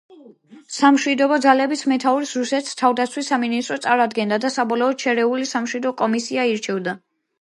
სამშვიდობო ძალების მეთაურს რუსეთის თავდაცვის სამინისტრო წარადგენდა და საბოლოოდ შერეული სამშვიდობო კომისია ირჩევდა.